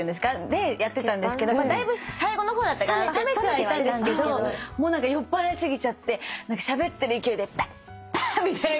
でやってたんですけどだいぶ最後の方だったから冷めてはいたんですけどもう酔っぱらい過ぎちゃってしゃべってる勢いでバーッみたいな。